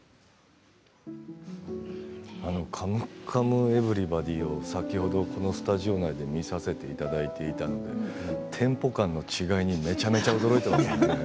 「カムカムエヴリバディ」を先ほどこのスタジオ内で見させていただいていたのでテンポ感の違いにめちゃめちゃ驚いていますね